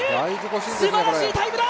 すばらしいタイムだ！